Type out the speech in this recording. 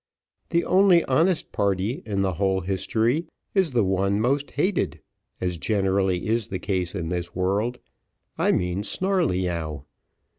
The only honest party in the whole history is the one most hated, as generally is the case in this world I mean Snarleyyow.